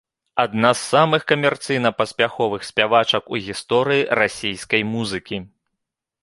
Адна з самых камерцыйна паспяховых спявачак у гісторыі расійскай музыкі.